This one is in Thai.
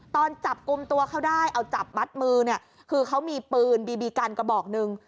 ตอนจับกลุ่มตัวเขาได้เอาจับมัดมือเนี่ยคือเขามีปืนบีบีกันกระบอกหนึ่ง